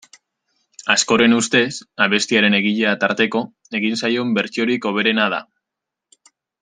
Askoren ustez, abestiaren egilea tarteko, egin zaion bertsiorik hoberena da.